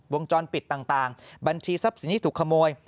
วงจรปิดต่างบัญชีทรัพย์สินที่ถูกขโมย